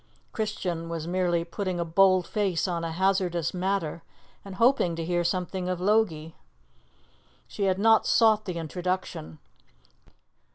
Christian was merely putting a bold face on a hazardous matter, and hoping to hear something of Logie. She had not sought the introduction.